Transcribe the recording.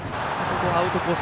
アウトコース